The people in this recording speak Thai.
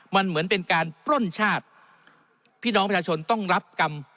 มันเหมือนเป็นการปล้นชาติพี่น้องประชาชนต้องรับกรรม